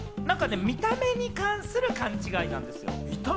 見た目に関する勘違いなんですよ。